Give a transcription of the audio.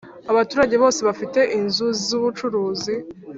abaturage bose bafite inzu z ubucuruzi